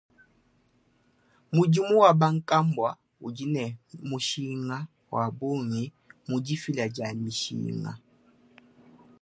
Mudimu wa bankambua udi ne mushinga wa bungi mu difila dia mishinga.